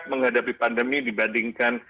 menghadapi pandemi dibandingkan